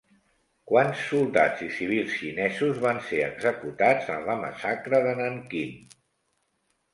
Quants soldats i civils xinesos van ser executats en la Massacre de Nanquín?